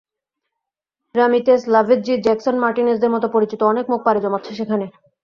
Ramirez, Lavezzi, Jackson মার্টিনেজদের মতো পরিচিত অনেক মুখ পাড়ি জমাচ্ছে সেখানে।